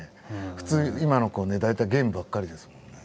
普通今の子はね大体ゲームばっかりですもんね。